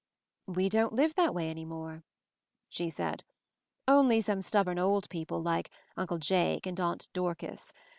"We don't live that way any more/' she said. "Only some stubborn old people, like Uncle Jake and Aunt Dorcas.